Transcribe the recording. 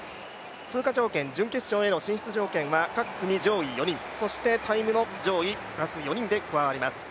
通過条件、準決勝への進出条件は各組上位４人、そしてタイムの上位４人で加わります。